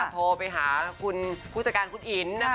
โทรไปหาคุณผู้จัดการคุณอิน